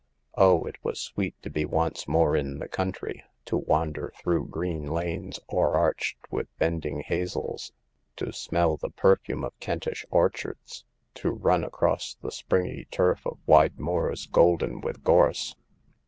Oh, it was sweet to be once more in the country, to wander through green lanes o'er arched with bending hazels^ to smell the per 136 Hagar of the Pawn Shop. ^ fume of Kentish orchards, to run across the springy turf of wide moors golden with gorse